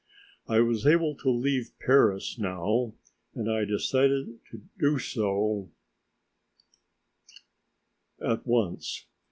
I was able to leave Paris now, and I decided to do so at once.